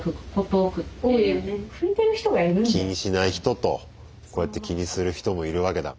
気にしない人とこうやって気にする人もいるわけだ。